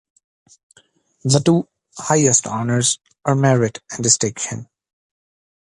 The two highest honours are Merit and Distinction.